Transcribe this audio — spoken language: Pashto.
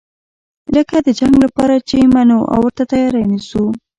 لکه د جنګ لپاره چې یې منو او ورته تیاری نیسو.